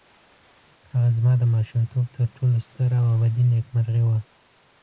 هغه زما د ماشومتوب تر ټولو ستره او ابدي نېکمرغي وه.